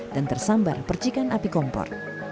dan tersambar percikan api kompor